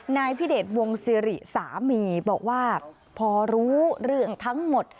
นายพิเดชวงศิริสามีบอกว่าพอรู้เรื่องทั้งหมด